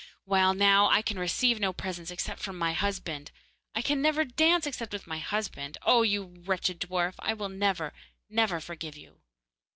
While now I can receive no presents except from my husband. I can never dance, except with my husband. Oh, you wretched dwarf, I will never, never forgive you!